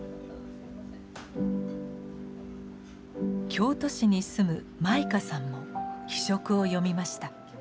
京都市に住む舞花さんも「非色」を読みました。